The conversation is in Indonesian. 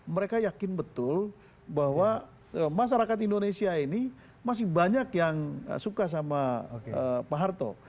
mereka yakin betul bahwa masyarakat indonesia ini masih banyak yang suka sama pak harto